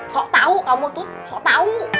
sok tau kamu tuh sok tau